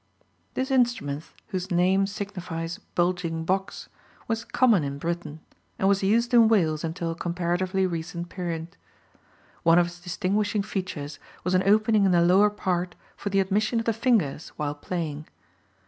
"_ This instrument, whose name signifies bulging box, was common in Britain, and was used in Wales until a comparatively recent period. One of its distinguishing features was an opening in the lower part for the admission of the fingers while playing.